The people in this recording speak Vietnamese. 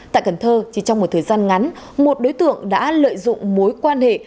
tại cần thơ chỉ trong một thời gian ngắn một đối tượng đã lợi dụng mối quan hệ